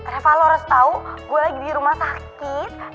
reva lo harus tahu gue lagi di rumah sakit